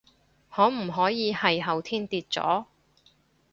可唔可以係後天跌咗？